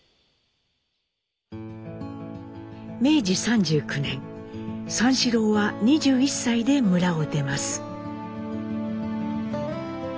明治３９年三四郎は２１歳で村を出ます。